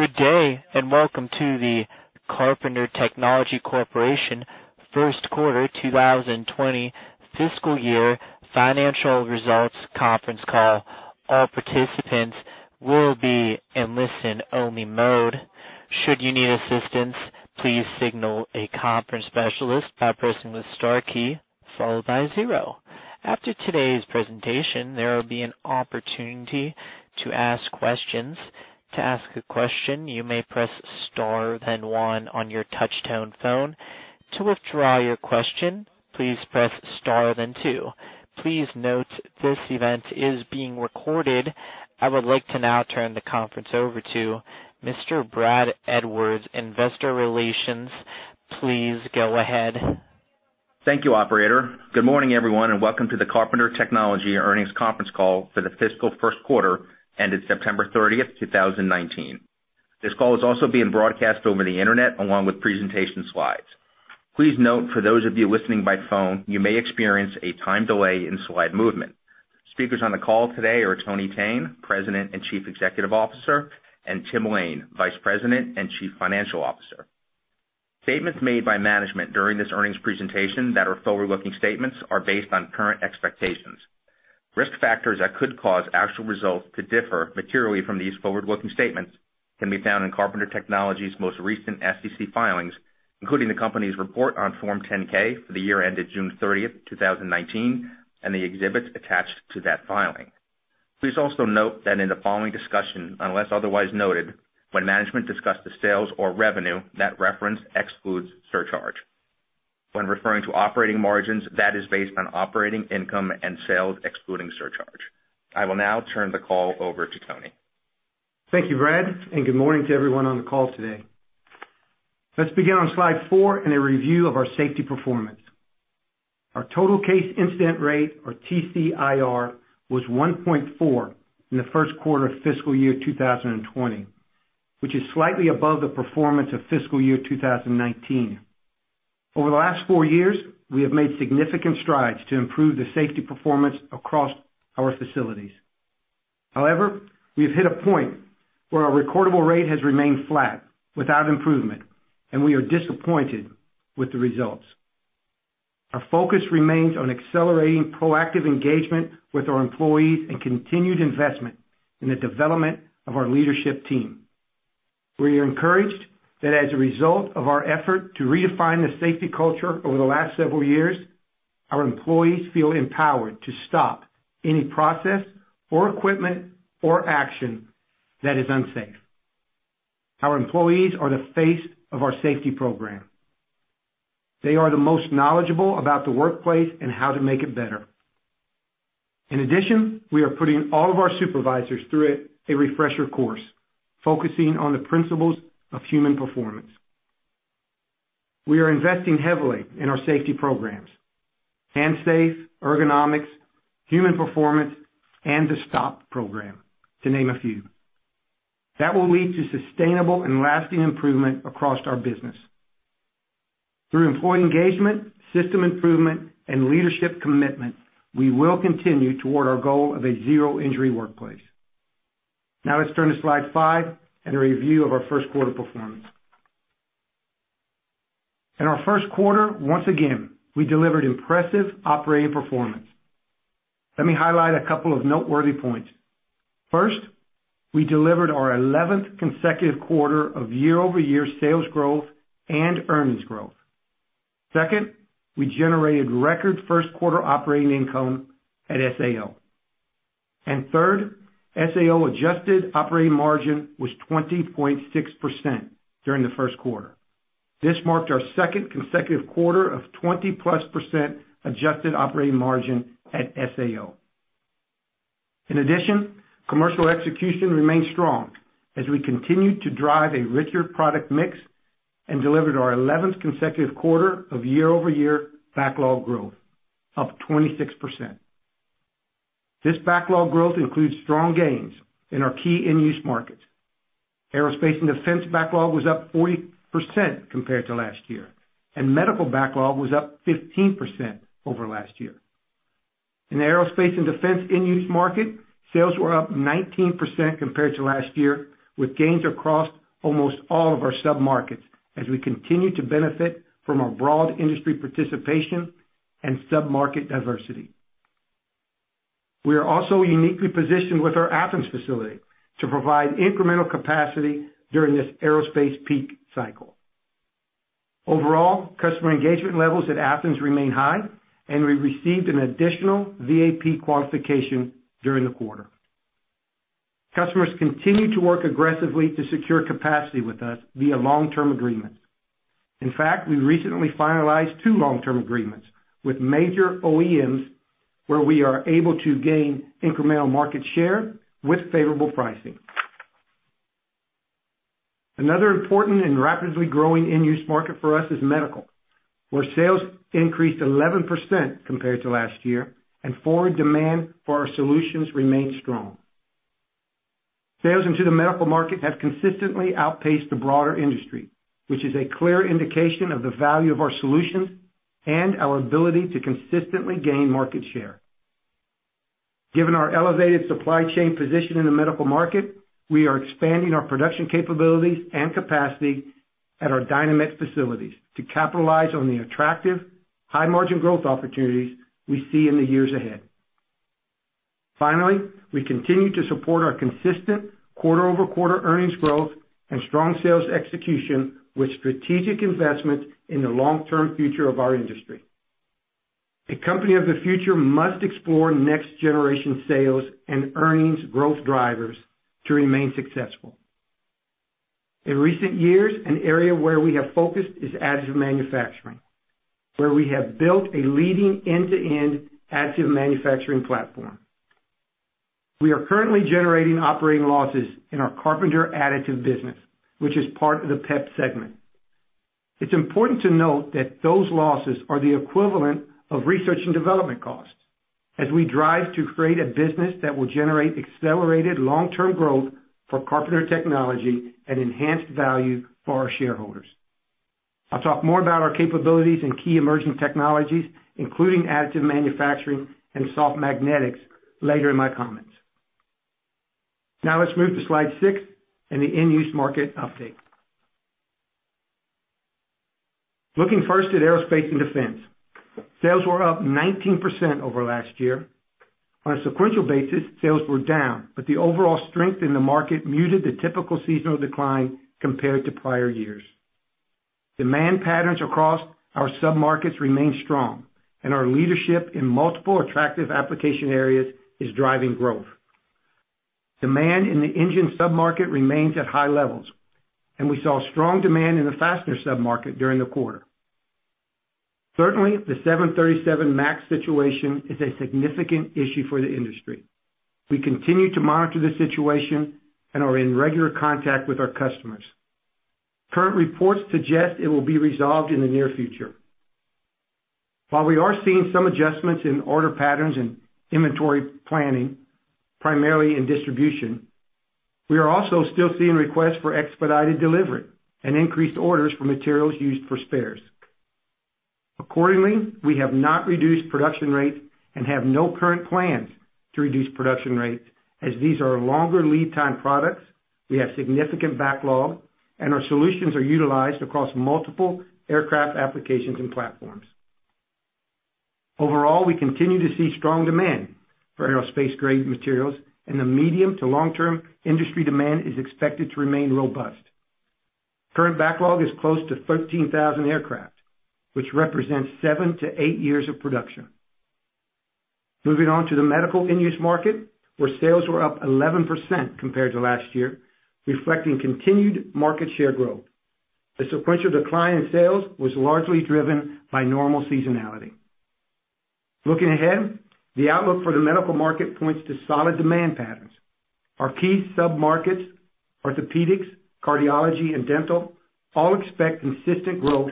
Good day, and welcome to the Carpenter Technology Corporation first quarter 2020 fiscal year financial results conference call. All participants will be in listen-only mode. Should you need assistance, please signal a conference specialist by pressing the star key followed by zero. After today's presentation, there will be an opportunity to ask questions. To ask a question, you may press Star then one on your touch-tone phone. To withdraw your question, please press Star then two. Please note this event is being recorded. I would like to now turn the conference over to Mr. Brad Edwards, Investor Relations. Please go ahead. Thank you, operator. Good morning, everyone. Welcome to the Carpenter Technology earnings conference call for the fiscal first quarter ended September 30th, 2019. This call is also being broadcast over the Internet along with presentation slides. Please note for those of you listening by phone, you may experience a time delay in slide movement. Speakers on the call today are Tony Thene, President and Chief Executive Officer, and Timothy Lain, Vice President and Chief Financial Officer. Statements made by management during this earnings presentation that are forward-looking statements are based on current expectations. Risk factors that could cause actual results to differ materially from these forward-looking statements can be found in Carpenter Technology's most recent SEC filings, including the company's report on Form 10-K for the year ended June 30th, 2019, and the exhibits attached to that filing. Please also note that in the following discussion, unless otherwise noted, when management discuss the sales or revenue, that reference excludes surcharge. When referring to operating margins, that is based on operating income and sales excluding surcharge. I will now turn the call over to Tony Thene. Thank you, Brad, and good morning to everyone on the call today. Let's begin on slide four in a review of our safety performance. Our total case incident rate, or TCIR, was 1.4 in the first quarter of fiscal year 2020, which is slightly above the performance of fiscal year 2019. Over the last four years, we have made significant strides to improve the safety performance across our facilities. However, we've hit a point where our recordable rate has remained flat without improvement, and we are disappointed with the results. Our focus remains on accelerating proactive engagement with our employees and continued investment in the development of our leadership team. We are encouraged that as a result of our effort to redefine the safety culture over the last several years, our employees feel empowered to stop any process or equipment or action that is unsafe. Our employees are the face of our safety program. They are the most knowledgeable about the workplace and how to make it better. In addition, we are putting all of our supervisors through a refresher course focusing on the principles of human performance. We are investing heavily in our safety programs, Hand Safe, ergonomics, human performance, and the STOP program, to name a few. That will lead to sustainable and lasting improvement across our business. Through employee engagement, system improvement, and leadership commitment, we will continue toward our goal of a zero-injury workplace. Let's turn to slide five and a review of our first quarter performance. In our first quarter, once again, we delivered impressive operating performance. Let me highlight a couple of noteworthy points. First, we delivered our 11th consecutive quarter of year-over-year sales growth and earnings growth. Second, we generated record first quarter operating income at SAO. Third, SAO adjusted operating margin was 20.6% during the first quarter. This marked our second consecutive quarter of 20-plus % adjusted operating margin at SAO. In addition, commercial execution remained strong as we continued to drive a richer product mix and delivered our 11th consecutive quarter of year-over-year backlog growth, up 26%. This backlog growth includes strong gains in our key end-use markets. Aerospace and defense backlog was up 40% compared to last year, and medical backlog was up 15% over last year. In the aerospace and defense end-use market, sales were up 19% compared to last year, with gains across almost all of our sub-markets as we continue to benefit from our broad industry participation and sub-market diversity. We are also uniquely positioned with our Athens facility to provide incremental capacity during this aerospace peak cycle. Overall, customer engagement levels at Athens remain high, and we received an additional VAP qualification during the quarter. Customers continue to work aggressively to secure capacity with us via long-term agreements. In fact, we recently finalized two long-term agreements with major OEMs where we are able to gain incremental market share with favorable pricing. Another important and rapidly growing end-use market for us is medical, where sales increased 11% compared to last year, and forward demand for our solutions remained strong. Sales into the medical market have consistently outpaced the broader industry, which is a clear indication of the value of our solutions and our ability to consistently gain market share. Given our elevated supply chain position in the medical market, we are expanding our production capabilities and capacity at our Dynamet facilities to capitalize on the attractive high margin growth opportunities we see in the years ahead. Finally, we continue to support our consistent quarter-over-quarter earnings growth and strong sales execution with strategic investment in the long-term future of our industry. A company of the future must explore next generation sales and earnings growth drivers to remain successful. In recent years, an area where we have focused is additive manufacturing, where we have built a leading end-to-end additive manufacturing platform. We are currently generating operating losses in our Carpenter Additive business, which is part of the PEP segment. It's important to note that those losses are the equivalent of research and development costs, as we drive to create a business that will generate accelerated long-term growth for Carpenter Technology and enhance value for our shareholders. I'll talk more about our capabilities in key emerging technologies, including additive manufacturing and soft magnetics later in my comments. Now let's move to slide six and the end-use market update. Looking first at aerospace and defense. Sales were up 19% over last year. On a sequential basis, sales were down, but the overall strength in the market muted the typical seasonal decline compared to prior years. Demand patterns across our sub-markets remain strong, and our leadership in multiple attractive application areas is driving growth. Demand in the engine sub-market remains at high levels, and we saw strong demand in the fastener sub-market during the quarter. Certainly, the 737 MAX situation is a significant issue for the industry. We continue to monitor the situation and are in regular contact with our customers. Current reports suggest it will be resolved in the near future. While we are seeing some adjustments in order patterns and inventory planning, primarily in distribution, we are also still seeing requests for expedited delivery and increased orders for materials used for spares. Accordingly, we have not reduced production rates and have no current plans to reduce production rates as these are longer lead time products, we have significant backlog, and our solutions are utilized across multiple aircraft applications and platforms. Overall, we continue to see strong demand for aerospace-grade materials, and the medium to long-term industry demand is expected to remain robust. Current backlog is close to 13,000 aircraft, which represents seven to eight years of production. Moving on to the medical end-use market, where sales were up 11% compared to last year, reflecting continued market share growth. The sequential decline in sales was largely driven by normal seasonality. Looking ahead, the outlook for the medical market points to solid demand patterns. Our key sub-markets, orthopedics, cardiology, and dental all expect consistent growth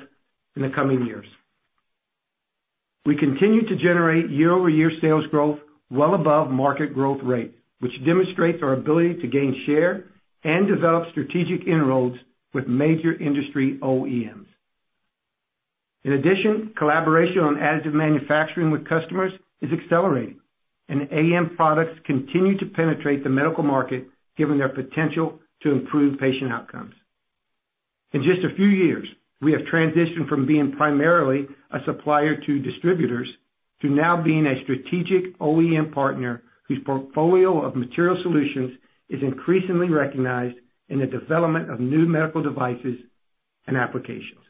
in the coming years. We continue to generate year-over-year sales growth well above market growth rate, which demonstrates our ability to gain share and develop strategic inroads with major industry OEMs. In addition, collaboration on additive manufacturing with customers is accelerating, and AM products continue to penetrate the medical market, given their potential to improve patient outcomes. In just a few years, we have transitioned from being primarily a supplier to distributors to now being a strategic OEM partner whose portfolio of material solutions is increasingly recognized in the development of new medical devices and applications.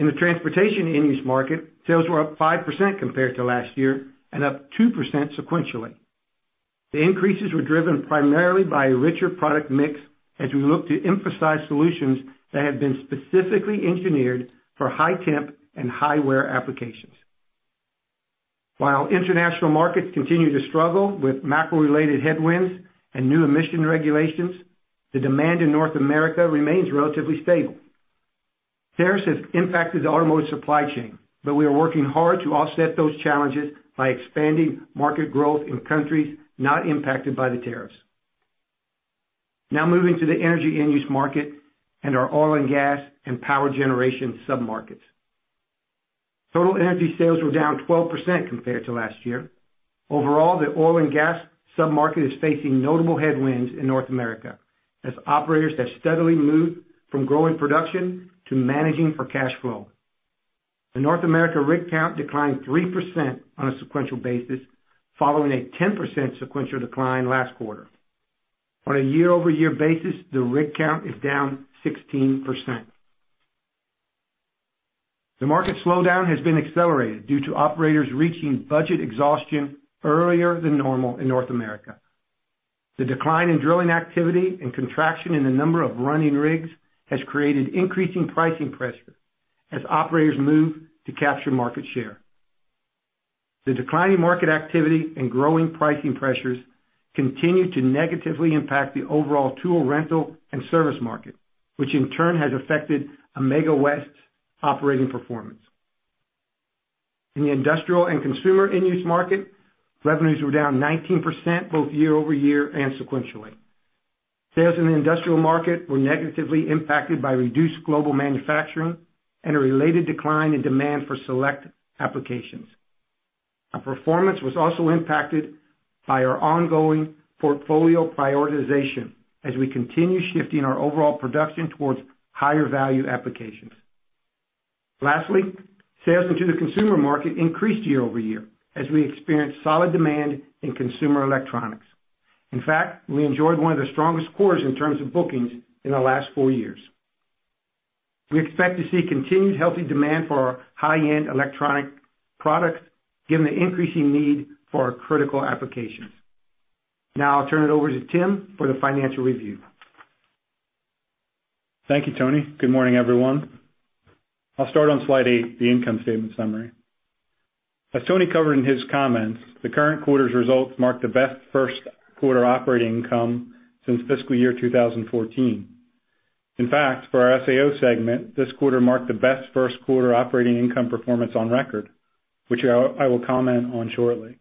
In the transportation end-use market, sales were up 5% compared to last year and up 2% sequentially. The increases were driven primarily by a richer product mix, as we look to emphasize solutions that have been specifically engineered for high temp and high wear applications. While international markets continue to struggle with macro-related headwinds and new emission regulations, the demand in North America remains relatively stable. Tariffs have impacted the automotive supply chain, but we are working hard to offset those challenges by expanding market growth in countries not impacted by the tariffs. Moving to the energy end-use market and our oil and gas and power generation sub-markets. Total energy sales were down 12% compared to last year. Overall, the oil and gas sub-market is facing notable headwinds in North America as operators have steadily moved from growing production to managing for cash flow. The North America rig count declined 3% on a sequential basis, following a 10% sequential decline last quarter. On a year-over-year basis, the rig count is down 16%. The market slowdown has been accelerated due to operators reaching budget exhaustion earlier than normal in North America. The decline in drilling activity and contraction in the number of running rigs has created increasing pricing pressure as operators move to capture market share. The declining market activity and growing pricing pressures continue to negatively impact the overall tool rental and service market, which in turn has affected Amega West's operating performance. In the industrial and consumer end-use market, revenues were down 19%, both year-over-year and sequentially. Sales in the industrial market were negatively impacted by reduced global manufacturing and a related decline in demand for select applications. Our performance was also impacted by our ongoing portfolio prioritization as we continue shifting our overall production towards higher value applications. Lastly, sales into the consumer market increased year-over-year as we experienced solid demand in consumer electronics. In fact, we enjoyed one of the strongest quarters in terms of bookings in the last four years. We expect to see continued healthy demand for our high-end electronic products, given the increasing need for critical applications. Now I'll turn it over to Tim for the financial review. Thank you, Tony. Good morning, everyone. I'll start on slide eight, the income statement summary. As Tony covered in his comments, the current quarter's results mark the best first quarter operating income since fiscal year 2014. In fact, for our SAO segment, this quarter marked the best first quarter operating income performance on record, which I will comment on shortly.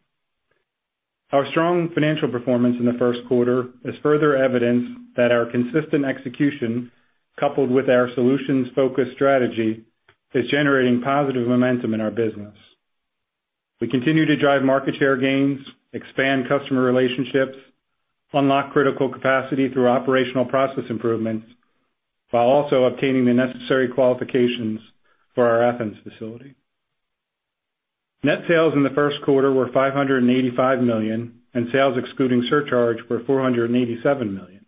Our strong financial performance in the first quarter is further evidence that our consistent execution, coupled with our solutions-focused strategy, is generating positive momentum in our business. We continue to drive market share gains, expand customer relationships, unlock critical capacity through operational process improvements, while also obtaining the necessary qualifications for our Athens facility. Net sales in the first quarter were $585 million, and sales excluding surcharge were $487 million.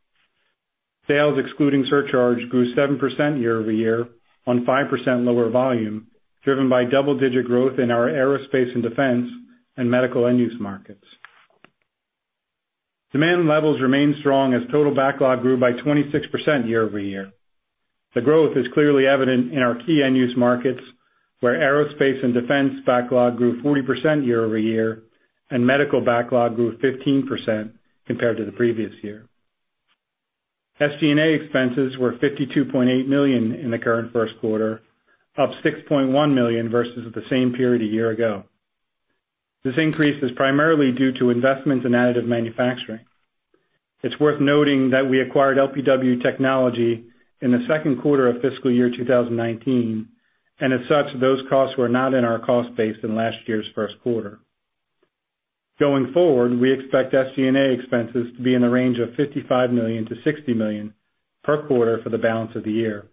Sales excluding surcharge grew 7% year-over-year on 5% lower volume, driven by double-digit growth in our aerospace and defense and medical end-use markets. Demand levels remain strong as total backlog grew by 26% year-over-year. The growth is clearly evident in our key end-use markets, where aerospace and defense backlog grew 40% year-over-year and medical backlog grew 15% compared to the previous year. SG&A expenses were $52.8 million in the current first quarter, up $6.1 million versus the same period a year ago. This increase is primarily due to investments in additive manufacturing. It's worth noting that we acquired LPW Technology in the second quarter of fiscal year 2019, and as such, those costs were not in our cost base in last year's first quarter. Going forward, we expect SG&A expenses to be in the range of $55 million-$60 million per quarter for the balance of the year.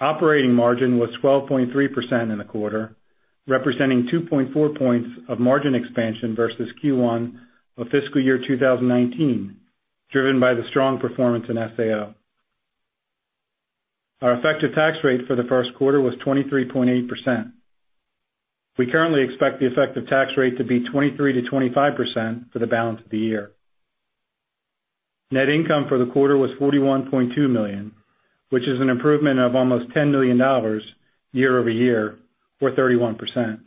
Operating margin was 12.3% in the quarter, representing 2.4 points of margin expansion versus Q1 of fiscal year 2019, driven by the strong performance in SAO. Our effective tax rate for the first quarter was 23.8%. We currently expect the effective tax rate to be 23%-25% for the balance of the year. Net income for the quarter was $41.2 million, which is an improvement of almost $10 million year-over-year, or 31%.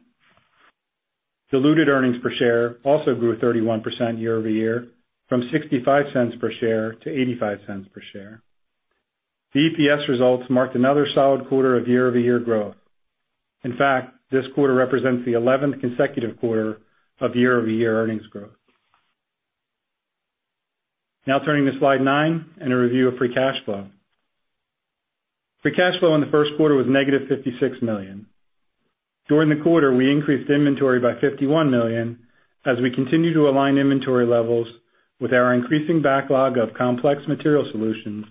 Diluted earnings per share also grew 31% year-over-year from $0.65 per share to $0.85 per share. The EPS results marked another solid quarter of year-over-year growth. In fact, this quarter represents the 11th consecutive quarter of year-over-year earnings growth. Now turning to slide nine and a review of free cash flow. Free cash flow in the first quarter was -$56 million. During the quarter, we increased inventory by $51 million as we continue to align inventory levels with our increasing backlog of complex material solutions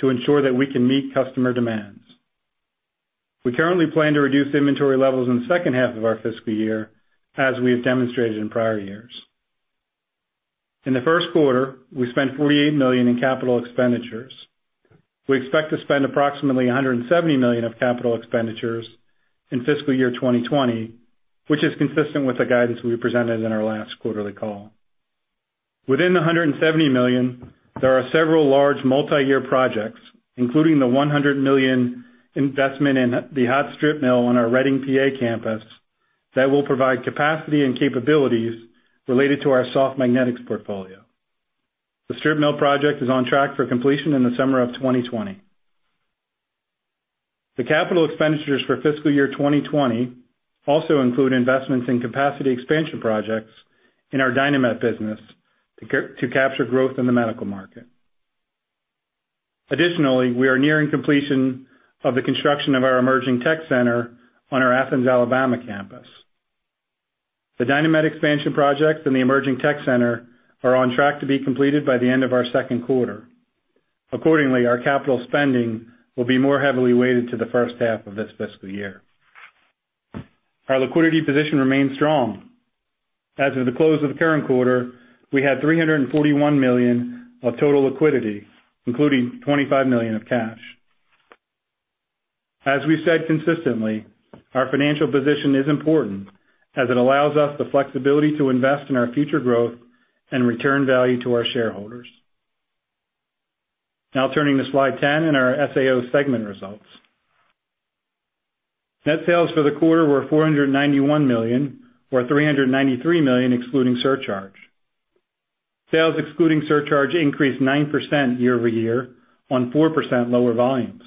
to ensure that we can meet customer demands. We currently plan to reduce inventory levels in the second half of our fiscal year, as we have demonstrated in prior years. In the first quarter, we spent $48 million in capital expenditures. We expect to spend approximately $170 million of capital expenditures in fiscal year 2020, which is consistent with the guidance we presented in our last quarterly call. Within the $170 million, there are several large multi-year projects, including the $100 million investment in the hot strip mill on our Reading, P.A. campus, that will provide capacity and capabilities related to our soft magnetics portfolio. The strip mill project is on track for completion in the summer of 2020. The capital expenditures for fiscal year 2020 also include investments in capacity expansion projects in our Dynamet business to capture growth in the medical market. Additionally, we are nearing completion of the construction of our emerging tech center on our Athens, Alabama campus. The Dynamet expansion project and the emerging tech center are on track to be completed by the end of our second quarter. Accordingly, our capital spending will be more heavily weighted to the first half of this fiscal year. Our liquidity position remains strong. As of the close of the current quarter, we had $341 million of total liquidity, including $25 million of cash. As we said consistently, our financial position is important as it allows us the flexibility to invest in our future growth and return value to our shareholders. Now turning to slide 10 and our SAO segment results. Net sales for the quarter were $491 million, or $393 million excluding surcharge. Sales excluding surcharge increased 9% year-over-year on 4% lower volumes.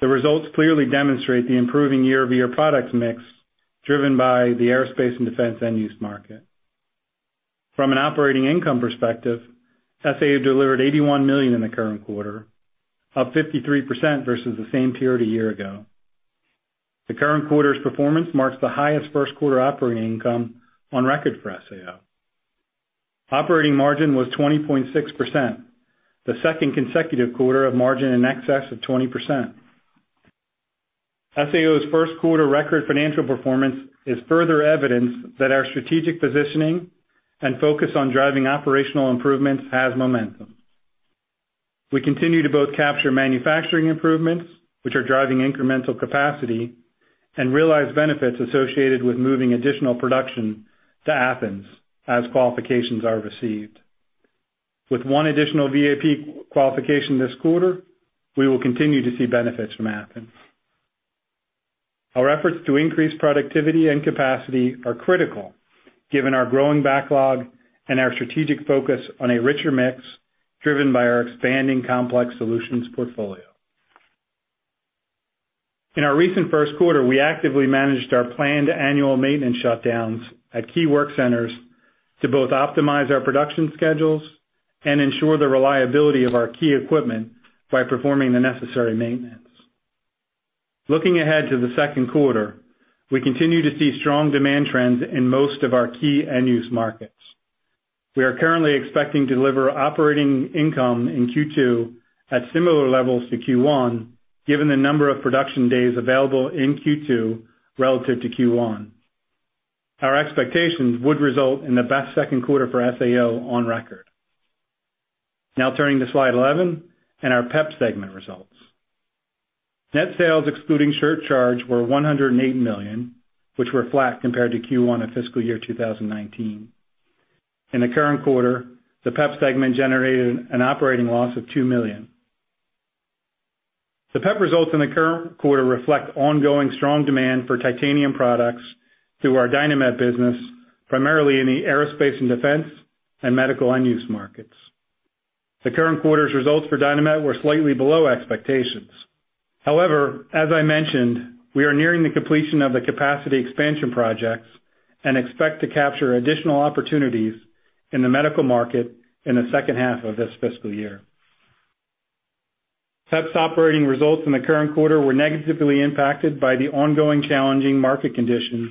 The results clearly demonstrate the improving year-over-year products mix driven by the aerospace and defense end-use market. From an operating income perspective, SAO delivered $81 million in the current quarter, up 53% versus the same period a year ago. The current quarter's performance marks the highest first quarter operating income on record for SAO. Operating margin was 20.6%, the second consecutive quarter of margin in excess of 20%. SAO's first quarter record financial performance is further evidence that our strategic positioning and focus on driving operational improvements has momentum. We continue to both capture manufacturing improvements, which are driving incremental capacity, and realize benefits associated with moving additional production to Athens as qualifications are received. With one additional VAP qualification this quarter, we will continue to see benefits from Athens. Our efforts to increase productivity and capacity are critical given our growing backlog and our strategic focus on a richer mix driven by our expanding complex solutions portfolio. In our recent first quarter, we actively managed our planned annual maintenance shutdowns at key work centers to both optimize our production schedules and ensure the reliability of our key equipment by performing the necessary maintenance. Looking ahead to the second quarter, we continue to see strong demand trends in most of our key end-use markets. We are currently expecting to deliver operating income in Q2 at similar levels to Q1, given the number of production days available in Q2 relative to Q1. Our expectations would result in the best second quarter for SAO on record. Turning to slide 11 and our PEP segment results. Net sales, excluding surcharge, were $108 million, which were flat compared to Q1 of fiscal year 2019. In the current quarter, the PEP segment generated an operating loss of $2 million. The PEP results in the current quarter reflect ongoing strong demand for titanium products through our Dynamet business, primarily in the aerospace and defense and medical end-use markets. The current quarter's results for Dynamet were slightly below expectations. However, as I mentioned, we are nearing the completion of the capacity expansion projects and expect to capture additional opportunities in the medical market in the second half of this fiscal year. PEP's operating results in the current quarter were negatively impacted by the ongoing challenging market conditions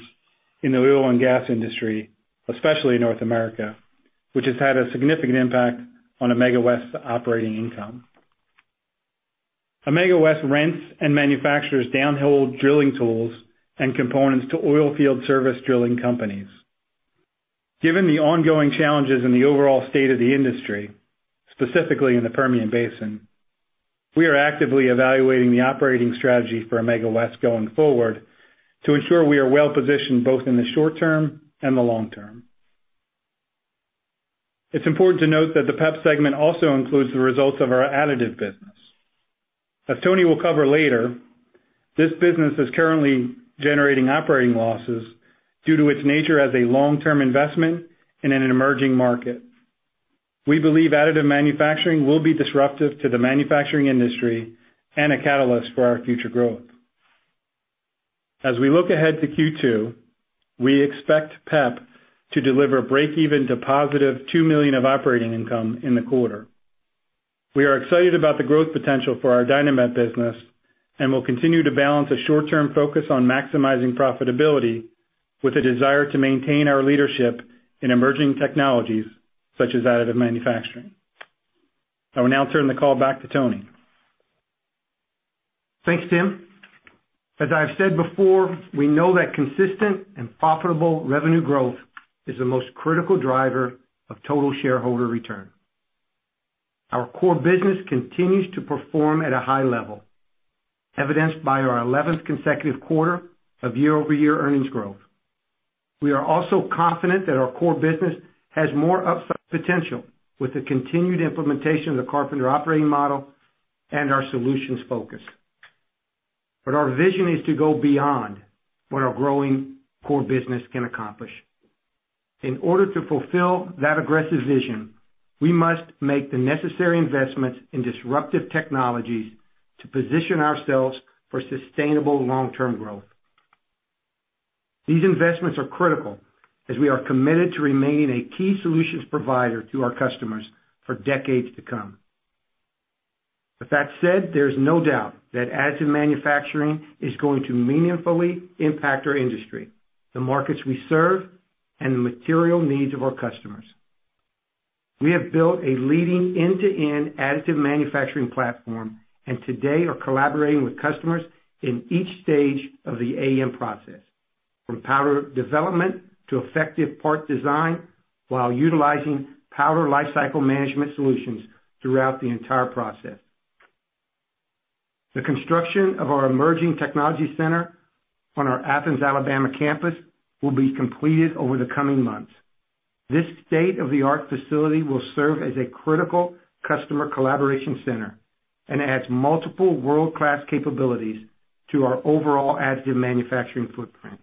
in the oil and gas industry, especially in North America, which has had a significant impact on Amega West's operating income. Amega West rents and manufactures downhole drilling tools and components to oil field service drilling companies. Given the ongoing challenges in the overall state of the industry, specifically in the Permian Basin, we are actively evaluating the operating strategy for Amega West going forward to ensure we are well positioned both in the short term and the long term. It's important to note that the PEP segment also includes the results of our additive business. As Tony will cover later, this business is currently generating operating losses due to its nature as a long-term investment in an emerging market. We believe additive manufacturing will be disruptive to the manufacturing industry and a catalyst for our future growth. As we look ahead to Q2, we expect PEP to deliver breakeven to positive $2 million of operating income in the quarter. We are excited about the growth potential for our Dynamet business and will continue to balance a short-term focus on maximizing profitability with a desire to maintain our leadership in emerging technologies such as additive manufacturing. I will now turn the call back to Tony. Thanks, Tim. As I have said before, we know that consistent and profitable revenue growth is the most critical driver of total shareholder return. Our core business continues to perform at a high level, evidenced by our 11th consecutive quarter of year-over-year earnings growth. We are also confident that our core business has more upside potential with the continued implementation of the Carpenter Operating Model and our solutions focus. Our vision is to go beyond what our growing core business can accomplish. In order to fulfill that aggressive vision, we must make the necessary investments in disruptive technologies to position ourselves for sustainable long-term growth. These investments are critical as we are committed to remaining a key solutions provider to our customers for decades to come. With that said, there is no doubt that additive manufacturing is going to meaningfully impact our industry, the markets we serve, and the material needs of our customers. We have built a leading end-to-end additive manufacturing platform, and today are collaborating with customers in each stage of the AM process, from powder development to effective part design while utilizing powder lifecycle management solutions throughout the entire process. The construction of our emerging technology center on our Athens, Alabama campus will be completed over the coming months. This state-of-the-art facility will serve as a critical customer collaboration center and adds multiple world-class capabilities to our overall additive manufacturing footprint.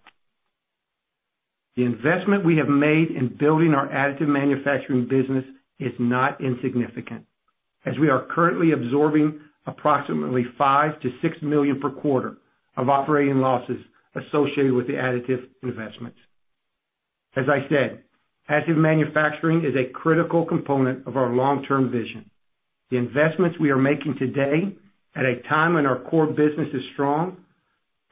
The investment we have made in building our additive manufacturing business is not insignificant, as we are currently absorbing approximately $5 million-$6 million per quarter of operating losses associated with the additive investments. As I said, additive manufacturing is a critical component of our long-term vision. The investments we are making today, at a time when our core business is strong,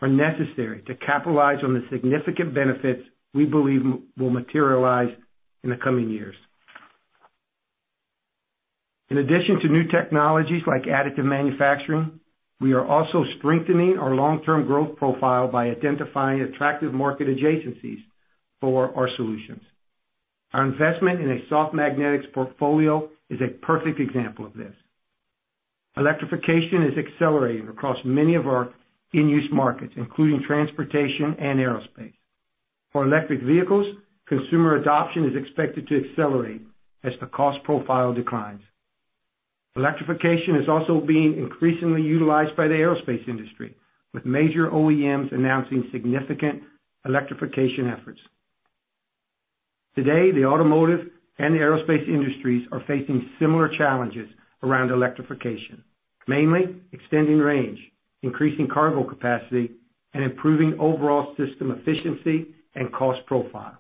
are necessary to capitalize on the significant benefits we believe will materialize in the coming years. In addition to new technologies like additive manufacturing, we are also strengthening our long-term growth profile by identifying attractive market adjacencies for our solutions. Our investment in a soft magnetics portfolio is a perfect example of this. Electrification is accelerating across many of our end-use markets, including transportation and aerospace. For electric vehicles, consumer adoption is expected to accelerate as the cost profile declines. Electrification is also being increasingly utilized by the aerospace industry, with major OEMs announcing significant electrification efforts. Today, the automotive and the aerospace industries are facing similar challenges around electrification, mainly extending range, increasing cargo capacity, and improving overall system efficiency and cost profile.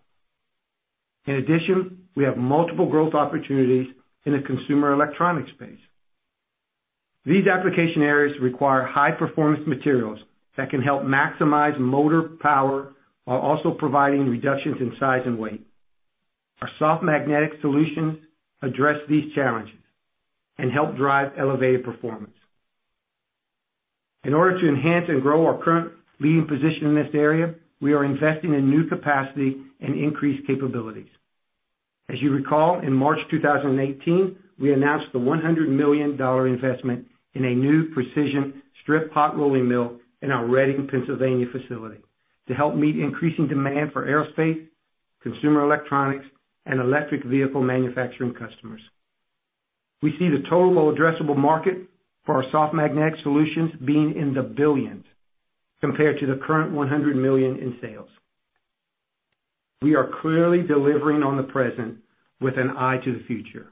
In addition, we have multiple growth opportunities in the consumer electronics space. These application areas require high-performance materials that can help maximize motor power while also providing reductions in size and weight. Our soft magnetic solutions address these challenges and help drive elevated performance. In order to enhance and grow our current leading position in this area, we are investing in new capacity and increased capabilities. As you recall, in March 2018, we announced the $100 million investment in a new precision strip hot rolling mill in our Reading, Pennsylvania facility to help meet increasing demand for aerospace, consumer electronics, and electric vehicle manufacturing customers. We see the total addressable market for our soft magnetic solutions being in the $billions compared to the current $100 million in sales. We are clearly delivering on the present with an eye to the future.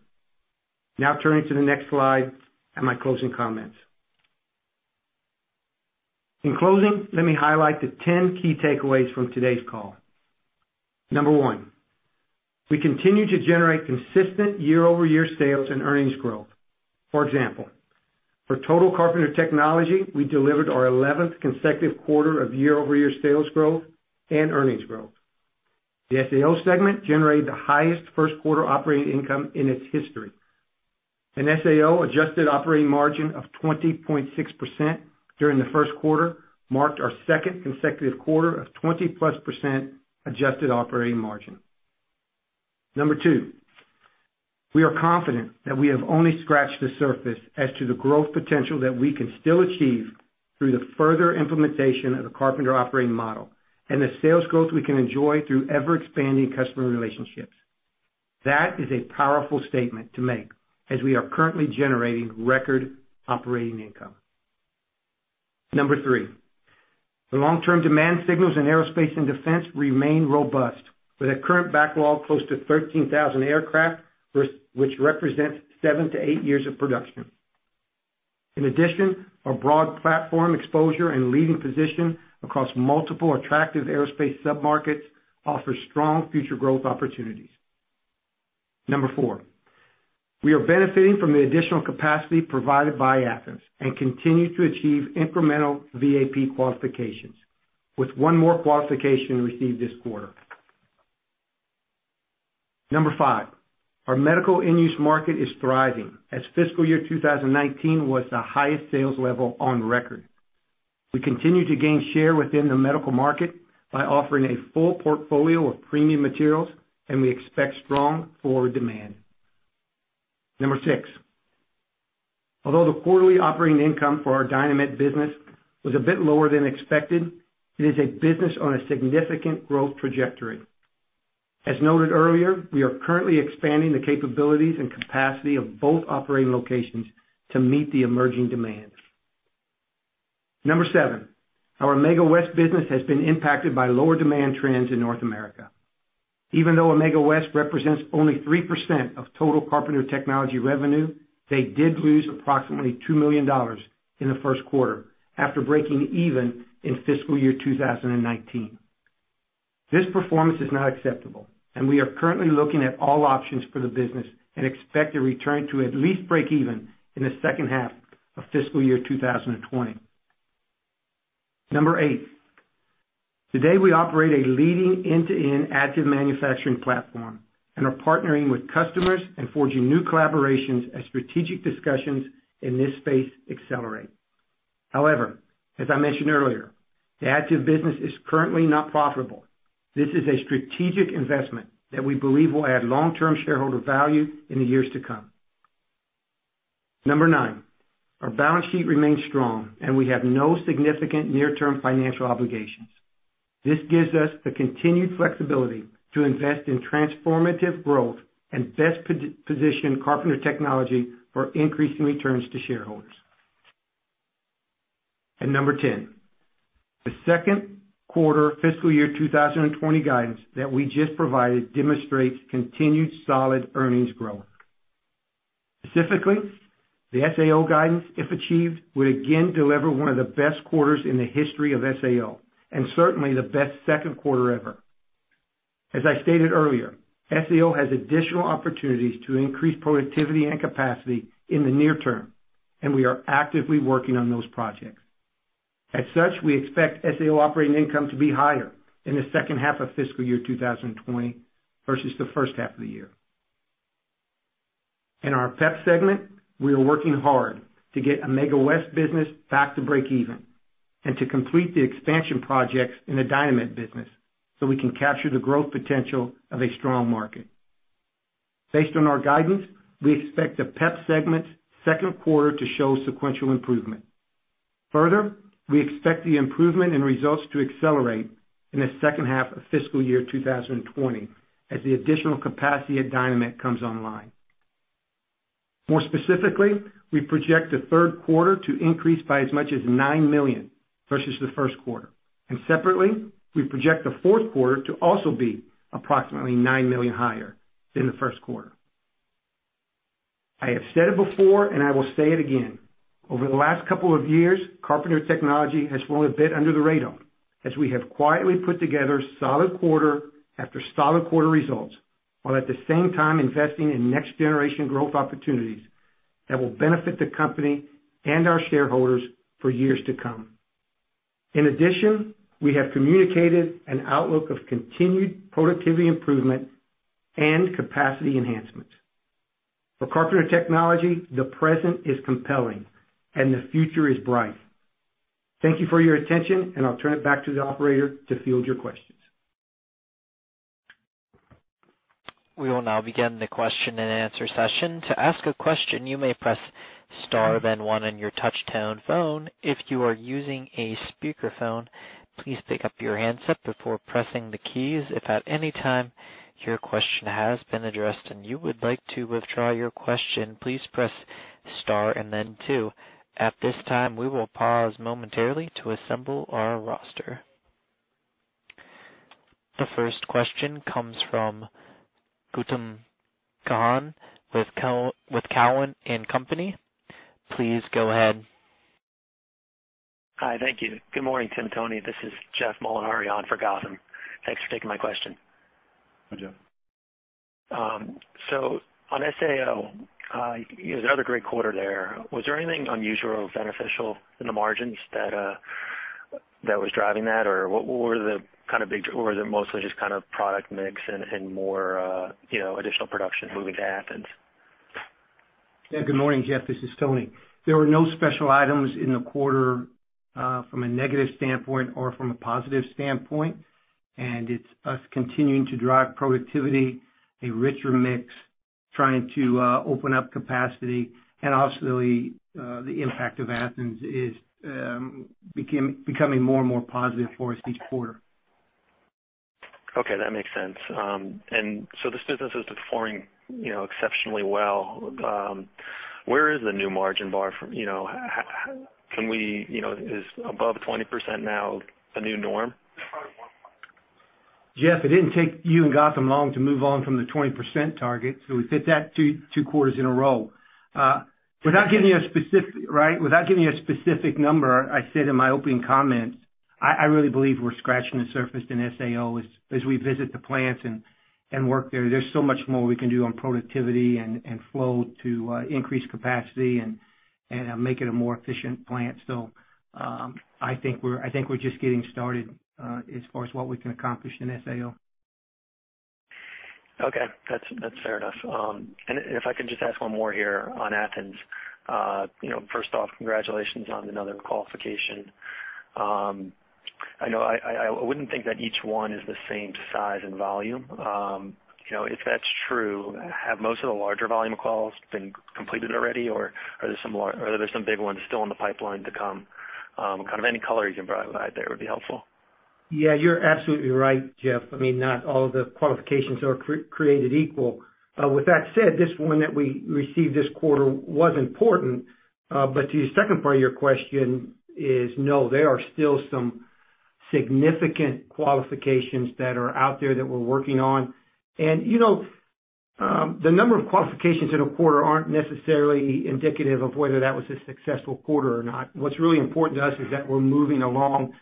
Turning to the next slide and my closing comments. In closing, let me highlight the 10 key takeaways from today's call. Number one, we continue to generate consistent year-over-year sales and earnings growth. For example, for total Carpenter Technology, we delivered our 11th consecutive quarter of year-over-year sales growth and earnings growth. The SAO Segment generated the highest first quarter operating income in its history. An SAO adjusted operating margin of 20.6% during the first quarter marked our second consecutive quarter of 20-plus % adjusted operating margin. Number 2, we are confident that we have only scratched the surface as to the growth potential that we can still achieve through the further implementation of the Carpenter Operating Model and the sales growth we can enjoy through ever-expanding customer relationships. That is a powerful statement to make as we are currently generating record operating income. Number 3, the long-term demand signals in aerospace and defense remain robust with a current backlog close to 13,000 aircraft, which represents 7 to 8 years of production. In addition, our broad platform exposure and leading position across multiple attractive aerospace submarkets offers strong future growth opportunities. Number 4, we are benefiting from the additional capacity provided by Athens and continue to achieve incremental VAP qualifications, with one more qualification received this quarter. Number 5, our medical end-use market is thriving as fiscal year 2019 was the highest sales level on record. We continue to gain share within the medical market by offering a full portfolio of premium materials, and we expect strong forward demand. Number 6, although the quarterly operating income for our Dynamet business was a bit lower than expected, it is a business on a significant growth trajectory. As noted earlier, we are currently expanding the capabilities and capacity of both operating locations to meet the emerging demands. Number 7, our Amega West business has been impacted by lower demand trends in North America. Even though Amega West represents only 3% of total Carpenter Technology revenue, they did lose approximately $2 million in the first quarter after breaking even in fiscal year 2019. This performance is not acceptable, and we are currently looking at all options for the business and expect a return to at least break even in the second half of fiscal year 2020. Number 8, today we operate a leading end-to-end additive manufacturing platform and are partnering with customers and forging new collaborations as strategic discussions in this space accelerate. However, as I mentioned earlier, the additive business is currently not profitable. This is a strategic investment that we believe will add long-term shareholder value in the years to come. Number 9, our balance sheet remains strong, and we have no significant near-term financial obligations. This gives us the continued flexibility to invest in transformative growth and best position Carpenter Technology for increasing returns to shareholders. Number 10, the second quarter fiscal year 2020 guidance that we just provided demonstrates continued solid earnings growth. Specifically, the SAO guidance, if achieved, would again deliver one of the best quarters in the history of SAO, certainly the best second quarter ever. As I stated earlier, SAO has additional opportunities to increase productivity and capacity in the near term, and we are actively working on those projects. As such, we expect SAO operating income to be higher in the second half of fiscal year 2020 versus the first half of the year. In our PEP segment, we are working hard to get Amega West business back to breakeven and to complete the expansion projects in the Dynamet business so we can capture the growth potential of a strong market. Based on our guidance, we expect the PEP segment second quarter to show sequential improvement. We expect the improvement in results to accelerate in the second half of fiscal year 2020 as the additional capacity at Dynamet comes online. More specifically, we project the third quarter to increase by as much as $9 million versus the first quarter. Separately, we project the fourth quarter to also be approximately $9 million higher than the first quarter. I have said it before. I will say it again. Over the last couple of years, Carpenter Technology has flown a bit under the radar as we have quietly put together solid quarter after solid quarter results, while at the same time investing in next-generation growth opportunities that will benefit the company and our shareholders for years to come. In addition, we have communicated an outlook of continued productivity improvement and capacity enhancements. For Carpenter Technology, the present is compelling. The future is bright. Thank you for your attention. I'll turn it back to the operator to field your questions. We will now begin the question and answer session. To ask a question, you may press star then one on your touchtone phone. If you are using a speakerphone, please pick up your handset before pressing the keys. If at any time your question has been addressed and you would like to withdraw your question, please press star and then two. At this time, we will pause momentarily to assemble our roster. The first question comes from Gautam Khanna with Cowen and Company. Please go ahead. Hi. Thank you. Good morning, Tim, Tony. This is Jeff Molinari on for Gautam. Thanks for taking my question. Hi, Jeff. On SAO, it was another great quarter there. Was there anything unusual, beneficial in the margins that was driving that? Was it mostly just product mix and more additional production moving to Athens? Yeah, good morning, Jeff. This is Tony. There were no special items in the quarter from a negative standpoint or from a positive standpoint. It's us continuing to drive productivity, a richer mix, trying to open up capacity, and obviously, the impact of Athens is becoming more and more positive for us each quarter. Okay, that makes sense. This business is performing exceptionally well. Where is the new margin bar from? Is above 20% now the new norm? Jeff, it didn't take you and Gautam long to move on from the 20% target. We've hit that two quarters in a row. Without giving you a specific number, I said in my opening comments, I really believe we're scratching the surface in SAO as we visit the plants and work there. There's so much more we can do on productivity and flow to increase capacity and make it a more efficient plant. I think we're just getting started as far as what we can accomplish in SAO. Okay. That's fair enough. If I could just ask one more here on Athens. First off, congratulations on another qualification. I wouldn't think that each one is the same size and volume. If that's true, have most of the larger volume quals been completed already or are there some big ones still in the pipeline to come? Any color you can provide there would be helpful. Yeah, you're absolutely right, Jeff. Not all of the qualifications are created equal. To the second part of your question is no, there are still some significant qualifications that are out there that we're working on. The number of qualifications in a quarter aren't necessarily indicative of whether that was a successful quarter or not. What's really important to us is that we're moving along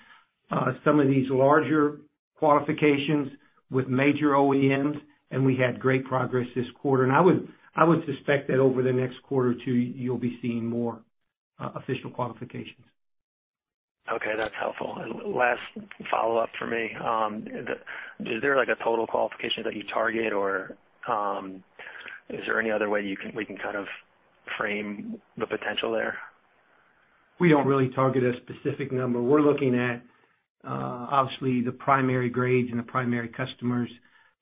some of these larger qualifications with major OEMs, and we had great progress this quarter. I would suspect that over the next quarter or two, you'll be seeing more official qualifications. Okay, that's helpful. Last follow-up from me. Is there a total qualification that you target, or is there any other way we can frame the potential there? We don't really target a specific number. We're looking at, obviously, the primary grades and the primary customers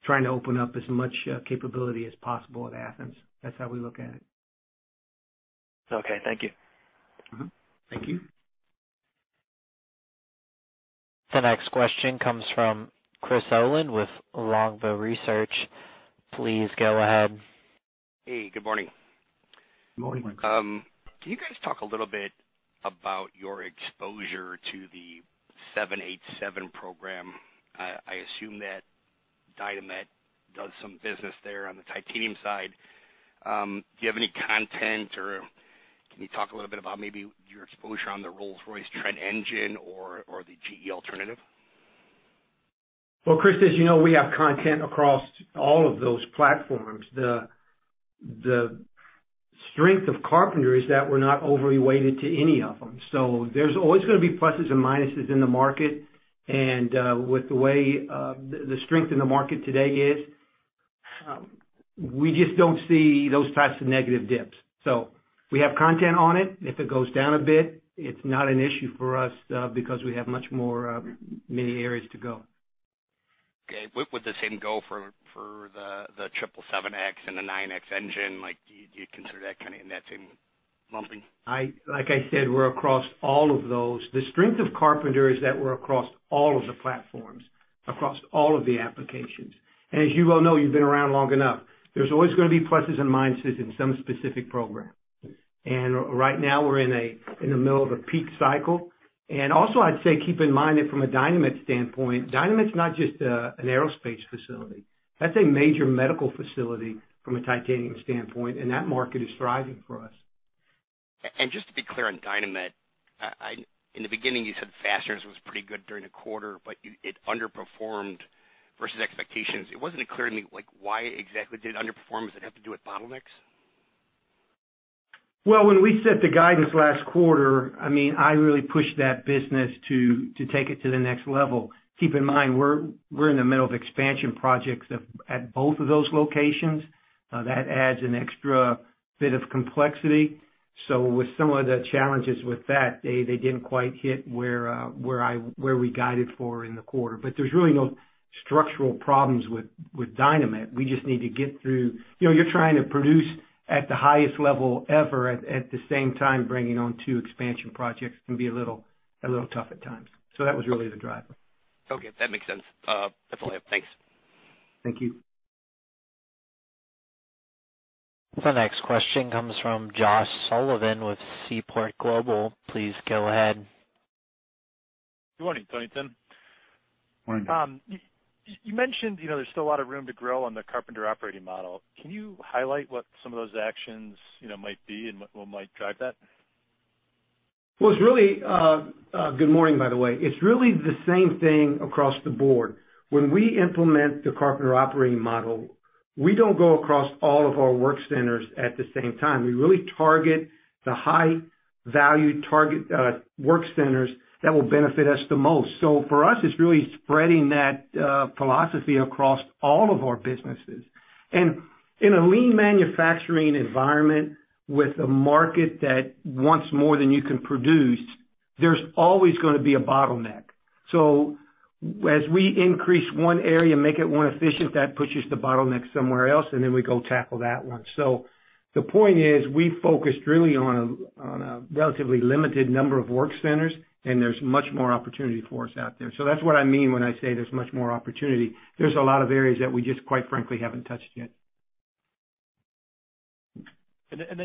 trying to open up as much capability as possible at Athens. That's how we look at it. Okay, thank you. Mm-hmm. Thank you. The next question comes from Chris Olin with Longbow Research. Please go ahead. Hey, good morning. Good morning. Can you guys talk a little bit about your exposure to the 787 program? I assume that Dynamet does some business there on the titanium side. Do you have any content, or can you talk a little bit about maybe your exposure on the Rolls-Royce Trent engine or the GE alternative? Chris, as you know, we have content across all of those platforms. The strength of Carpenter is that we're not over-weighted to any of them. There's always going to be pluses and minuses in the market, and with the way the strength in the market today is, we just don't see those types of negative dips. We have content on it. If it goes down a bit, it's not an issue for us because we have many areas to go. Okay. Would the same go for the 777X and the GE9X engine? Do you consider that in that same lumping? Like I said, we're across all of those. The strength of Carpenter is that we're across all of the platforms, across all of the applications. As you well know, you've been around long enough, there's always going to be pluses and minuses in some specific program. Right now, we're in the middle of a peak cycle. Also, I'd say keep in mind that from a Dynamet standpoint, Dynamet's not just an aerospace facility. That's a major medical facility from a titanium standpoint, and that market is thriving for us. Just to be clear on Dynamet, in the beginning, you said Fasteners was pretty good during the quarter, but it underperformed versus expectations. It wasn't clear to me why exactly did it underperform? Does it have to do with bottlenecks? When we set the guidance last quarter, I really pushed that business to take it to the next level. Keep in mind, we're in the middle of expansion projects at both of those locations. That adds an extra bit of complexity. With some of the challenges with that, they didn't quite hit where we guided for in the quarter. There's really no structural problems with Dynamet. We just need to get through. You're trying to produce at the highest level ever. At the same time, bringing on two expansion projects can be a little tough at times. That was really the driver. Okay. That makes sense. That's all I have. Thanks. Thank you. The next question comes from Josh Sullivan with Seaport Global. Please go ahead. Good morning, Tony, Tim. Morning. You mentioned there's still a lot of room to grow on the Carpenter Operating Model. Can you highlight what some of those actions might be and what might drive that? Well, good morning, by the way. It's really the same thing across the board. When we implement the Carpenter Operating Model, we don't go across all of our work centers at the same time. We really target the high value work centers that will benefit us the most. For us, it's really spreading that philosophy across all of our businesses. In a lean manufacturing environment with a market that wants more than you can produce, there's always going to be a bottleneck. As we increase one area, make it more efficient, that pushes the bottleneck somewhere else, and then we go tackle that one. The point is, we focused really on a relatively limited number of work centers, and there's much more opportunity for us out there. That's what I mean when I say there's much more opportunity. There's a lot of areas that we just, quite frankly, haven't touched yet.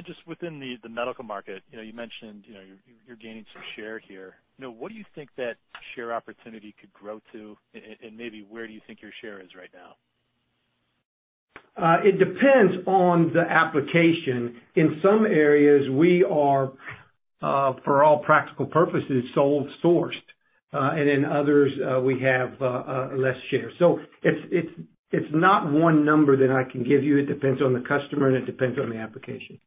Just within the medical market, you mentioned you're gaining some share here. What do you think that share opportunity could grow to, and maybe where do you think your share is right now? It depends on the application. In some areas, we are, for all practical purposes, sole sourced. In others, we have less share. It's not one number that I can give you. It depends on the customer, and it depends on the application.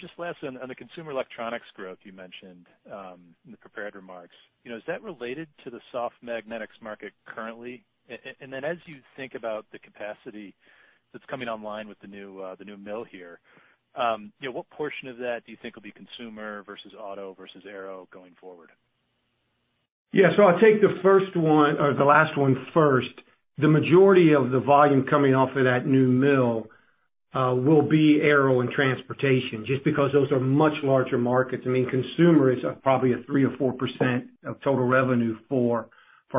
Just last one. On the consumer electronics growth you mentioned in the prepared remarks, is that related to the soft magnetics market currently? As you think about the capacity that's coming online with the new mill here, what portion of that do you think will be consumer versus auto versus aero going forward? Yeah. I'll take the last one first. The majority of the volume coming off of that new mill will be aero and transportation, just because those are much larger markets. Consumer is probably a 3% or 4% of total revenue for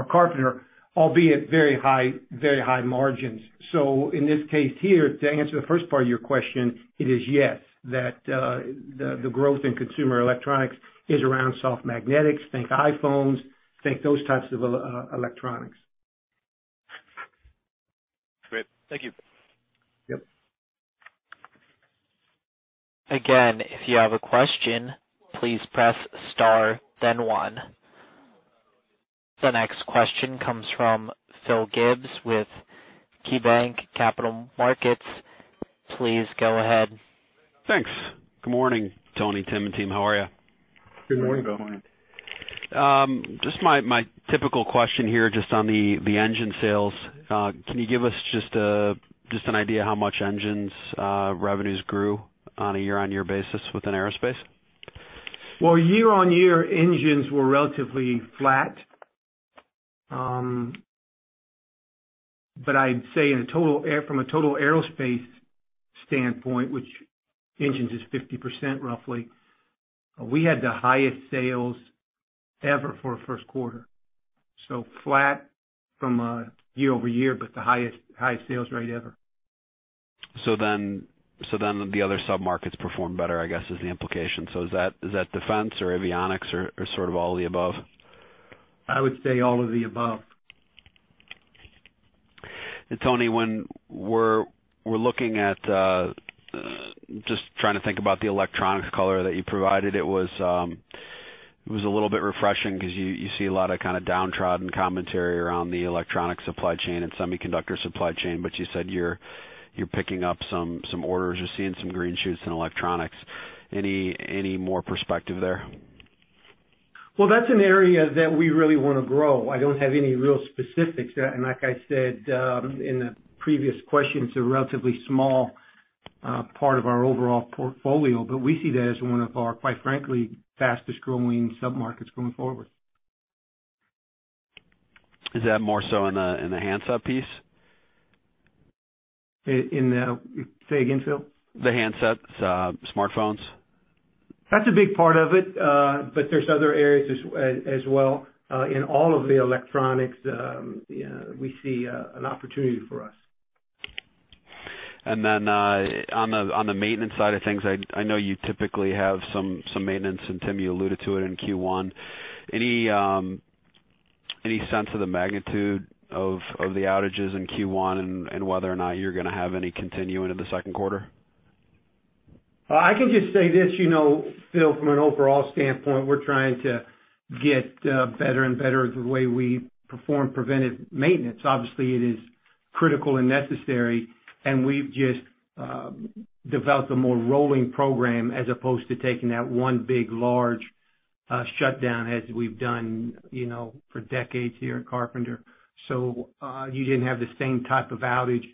Carpenter, albeit very high margins. In this case here, to answer the first part of your question, it is yes, that the growth in consumer electronics is around soft magnetics. Think iPhones, think those types of electronics. Great. Thank you. Yep. If you have a question, please press star then one. The next question comes from Philip Gibbs with KeyBanc Capital Markets. Please go ahead. Thanks. Good morning, Tony, Tim, and team. How are you? Good morning. Just my typical question here, just on the engine sales. Can you give us just an idea how much engines revenues grew on a year-on-year basis within aerospace? Well, year-on-year, engines were relatively flat. I'd say from a total aerospace standpoint, which engines is 50% roughly, we had the highest sales ever for a first quarter. Flat from a year-over-year, but the highest sales rate ever. The other sub-markets performed better, I guess, is the implication. Is that defense or avionics or sort of all of the above? I would say all of the above. Tony, when we're looking at, just trying to think about the electronics color that you provided, it was a little bit refreshing because you see a lot of kind of downtrodden commentary around the electronic supply chain and semiconductor supply chain. You said you're picking up some orders. You're seeing some green shoots in electronics. Any more perspective there? Well, that's an area that we really want to grow. I don't have any real specifics. Like I said in the previous question, it's a relatively small part of our overall portfolio. We see that as one of our, quite frankly, fastest-growing sub-markets going forward. Is that more so in the handset piece? Say again, Phil? The handsets, smartphones. That's a big part of it. There's other areas as well. In all of the electronics, we see an opportunity for us. Then, on the maintenance side of things, I know you typically have some maintenance, and Tim, you alluded to it in Q1. Any sense of the magnitude of the outages in Q1 and whether or not you're going to have any continue into the second quarter? I can just say this. Phil, from an overall standpoint, we're trying to get better and better at the way we perform preventive maintenance. Obviously, it is critical and necessary, and we've just developed a more rolling program as opposed to taking that one big, large shutdown as we've done for decades here at Carpenter. You didn't have the same type of outage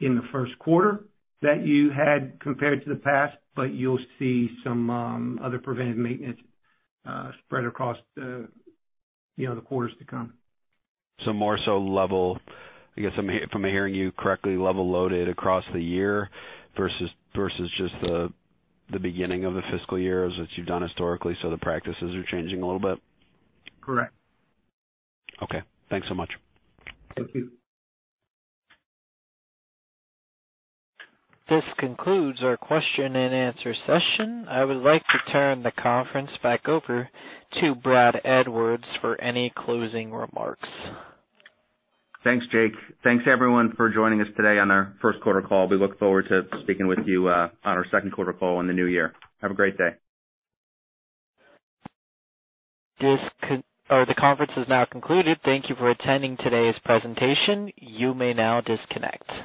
in the first quarter that you had compared to the past, but you'll see some other preventive maintenance spread across the quarters to come. More so level, I guess I'm hearing you correctly, level loaded across the year versus just the beginning of the fiscal year as you've done historically. The practices are changing a little bit? Correct. Okay. Thanks so much. Thank you. This concludes our question and answer session. I would like to turn the conference back over to Brad Edwards for any closing remarks. Thanks, Jake. Thanks, everyone, for joining us today on our first quarter call. We look forward to speaking with you on our second quarter call in the new year. Have a great day. The conference is now concluded. Thank you for attending today's presentation. You may now disconnect.